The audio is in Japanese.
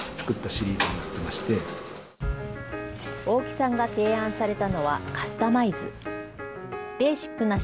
大木さんが提案されたのは、カスタマイズ。